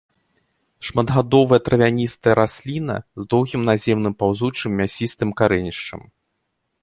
Шматгадовая травяністая расліна з доўгім наземным паўзучым мясістым карэнішчам.